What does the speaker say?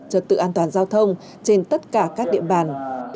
trật tự an toàn giao thông trên tất cả các địa bàn